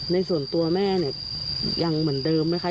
ในส่วนตัวแม่เนี่ยยังเหมือนเดิมไหมคะ